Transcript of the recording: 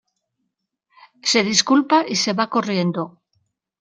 Se disculpa y se va corriendo.